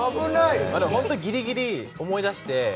本当にギリギリ思い出して。